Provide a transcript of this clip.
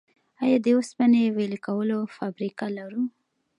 آیا د وسپنې ویلې کولو فابریکه لرو؟